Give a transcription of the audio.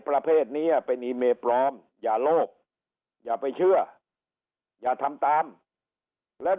ประเภทนี้เป็นอีเมปลอมอย่าโลภอย่าไปเชื่ออย่าทำตามแล้ว